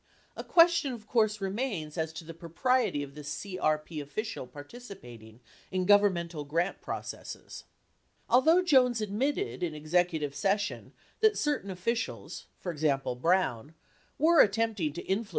(A question, of course, remains as to the pro priety of this CRP official participating in governmental grant proc esses.) Although Jones admitted in executive session that certain officials — for example, Brown — were attempting to influence Federal 83 13 Hearings 5324.